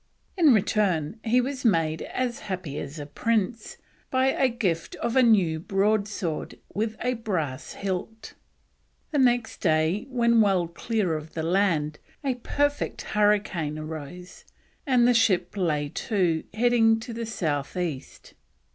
In return "he was made as happy as a prince by a gift of a new broadsword with a brass hilt." The next day, when well clear of the land, a perfect hurricane arose, and the ships lay to, heading to the south east.